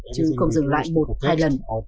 chứ không dừng lại một hai lần